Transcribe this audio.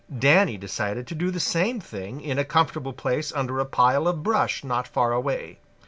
Danny decided to do the same thing in a comfortable place under a pile of brush not far away.